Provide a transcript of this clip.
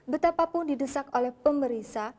betapapun didesak oleh pemerisa